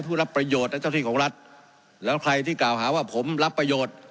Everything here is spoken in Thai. รับประโยชน์และเจ้าที่ของรัฐแล้วใครที่กล่าวหาว่าผมรับประโยชน์